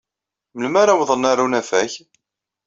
Melmi ara awḍen ɣer unafag?